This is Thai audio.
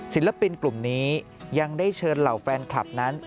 ศิลปินกลุ่มนี้ยังได้เชิญเหล่าแฟนคลับนั้น